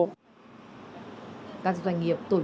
các doanh nghiệp tổ chức